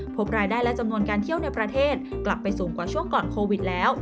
พบรายได้และจำนวนการเที่ยวในประเทศกลับไปสูงกว่าช่วงก่อนโควิดแล้ว